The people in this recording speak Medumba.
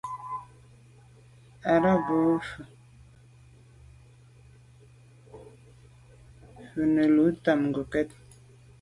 Á rə̌ bā mfū zə̄ bú fí nə̌ lǔ’ tɑ̂mə̀ ngokɛ́t.